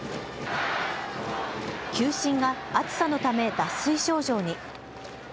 球審が暑さのため脱水症状に。